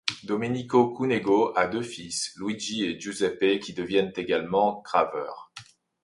Domenico Cunego a deux fils, Luigi et Giuseppe, qui deviennent également graveurs.